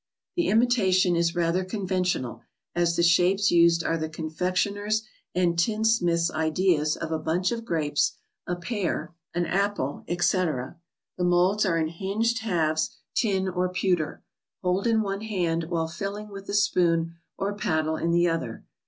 The im itation is rather conventional, as the shapes used are the confection¬ er's and tinsmith's ideas of a bunch of grapes, a pear, an ICED PUDDINGS , ETC . 5 apple, etc. The molds are in hinged halves, tin or pew¬ ter. Hold in one hand, while filling with the spoon or paddle in the other.